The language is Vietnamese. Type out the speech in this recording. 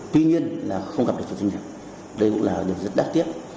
tuy nhiên là không gặp được chủ chương nghiệp đây cũng là điều rất đáng tiếc